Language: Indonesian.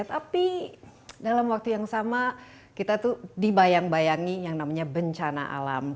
tapi dalam waktu yang sama kita tuh dibayang bayangi yang namanya bencana alam